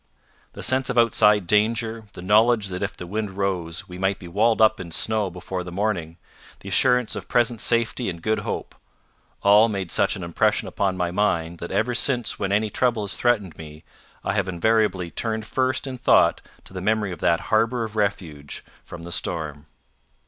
The sense of outside danger; the knowledge that if the wind rose, we might be walled up in snow before the morning; the assurance of present safety and good hope all made such an impression upon my mind that ever since when any trouble has threatened me, I have invariably turned first in thought to the memory of that harbour of refuge from the storm.